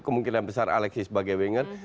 kemungkinan besar alexi sebagai winger